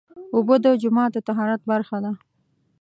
اوبه د جومات د طهارت برخه ده.